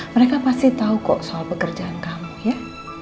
mereka pasti tahu kok soal pekerjaan kamu ya